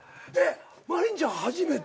真凜ちゃん初めて？